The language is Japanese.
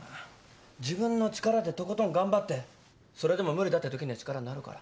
自分の力でとことん頑張ってそれでも無理だってときには力になるから。